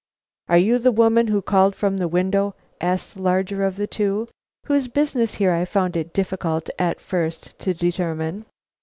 "Are you the woman who called from the window?" asked the larger of the two, whose business here I found it difficult at first to determine.